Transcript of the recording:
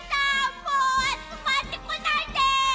もうあつまってこないで！